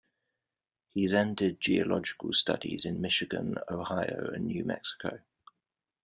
He then did geological studies in Michigan, Ohio, and New Mexico.